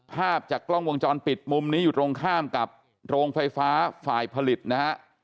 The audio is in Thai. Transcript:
ภาพจากกล้องวงจรปิดมุมนี้อยู่ตรงข้ามกับโรงไฟฟ้าฝ่ายผลิตนะฮะ